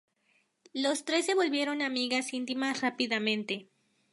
Los tres se volvieron amigas íntimas rápidamente.